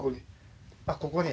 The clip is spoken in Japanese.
ここに。